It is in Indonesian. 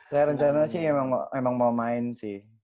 saya rencana sih memang mau main sih